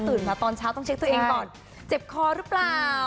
มาตอนเช้าต้องเช็คตัวเองก่อนเจ็บคอหรือเปล่า